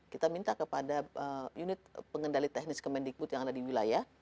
kita minta kepada unit pengendali teknis kemendikbud yang ada di wilayah